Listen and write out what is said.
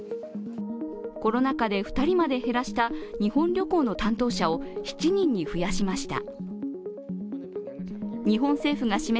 コロナ禍で２人まで減らした日本旅行の担当者を７人に増やしました。